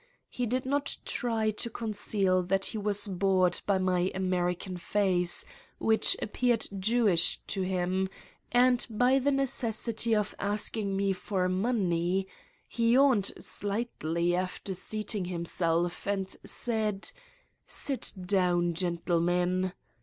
He did not try to conceal that he was bored by my American face, which appeared Jewish to him, and by the necessity of asking me for money : he yawned slightly after seating him self and said: "Sit down, gentlemen."